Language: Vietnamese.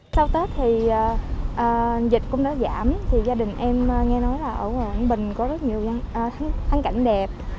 sau tết thì dịch cũng đã giảm gia đình em nghe nói ở quảng bình có rất nhiều tháng cảnh đẹp